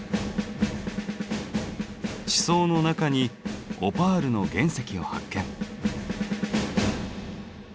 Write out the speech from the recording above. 地層の中にオパールの原石を発見。